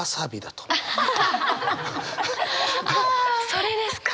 それですか？